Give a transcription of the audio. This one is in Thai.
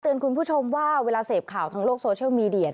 คุณผู้ชมว่าเวลาเสพข่าวทางโลกโซเชียลมีเดีย